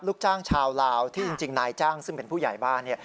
ลูกจ้างชาวลาวที่จริงนายจ้างซึ่งเป็นผู้ใหญ่บ้านเนี่ย